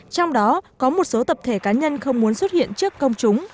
trong đó có một số tập thể cá nhân không muốn xuất hiện trước công chúng